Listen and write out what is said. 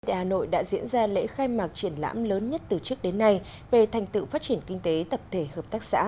hà nội đã diễn ra lễ khai mạc triển lãm lớn nhất từ trước đến nay về thành tựu phát triển kinh tế tập thể hợp tác xã